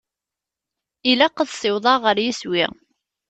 Ilaq ad ssiwḍeɣ ɣer yeswi.